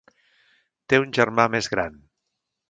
Té un germà més gran.